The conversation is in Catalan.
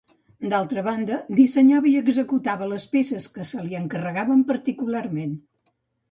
D’altra banda, dissenyava i executava les peces que se li encarregaven particularment.